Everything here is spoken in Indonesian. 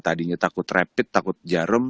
tadinya takut rapid takut jarem